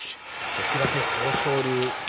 関脇・豊昇龍。